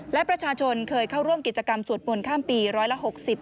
และประชาชนเคยเข้าร่วมกิจกรรมสวดมนต์ข้ามปีร้อยละ๖๐